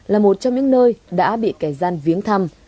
là một trong những nơi đã bị kẻ gian viếng thăm